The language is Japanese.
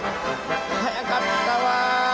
速かったわ。